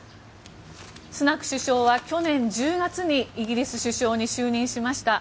スナク首相は去年１０月にイギリス首相に就任しました。